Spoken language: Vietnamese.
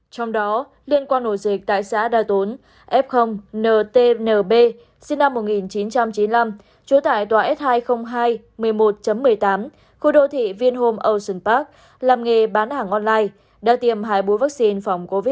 trong đó liên quan nổ dịch tại xã đa tốn f ntnb sinh năm một nghìn chín trăm chín mươi năm chủ tại tòa s hai trăm linh hai một mươi một một mươi tám khu độ thị viên hôm ocean park làm nghề bán hàng online đã tiêm hai bú vắc xin phòng covid một mươi chín